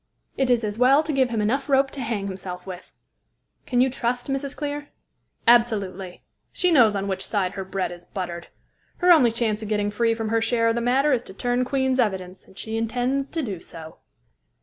It is as well to give him enough rope to hang himself with." "Can you trust Mrs. Clear?" "Absolutely. She knows on which side her bread is buttered. Her only chance of getting free from her share of the matter is to turn Queen's evidence, and she intends to do so."